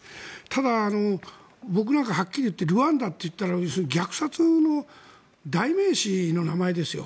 ただ、僕なんかははっきり言ってルワンダといったら、要するに虐殺の代名詞の名前ですよ。